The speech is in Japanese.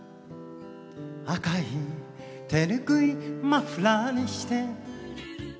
「赤い手拭マフラーにして」